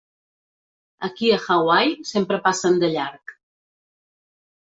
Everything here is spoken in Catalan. Aquí a Hawaii sempre passen de llarg.